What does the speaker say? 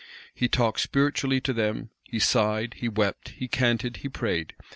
He talked spiritually to *them; he sighed he wept, he canted, he prayed.